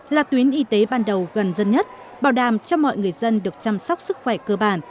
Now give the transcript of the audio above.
là tuyến y tế ban đầu gần dân nhất bảo đảm cho mọi người dân được chăm sóc sức khỏe cơ bản